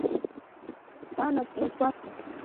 Заанаҵ иазгәасҭо…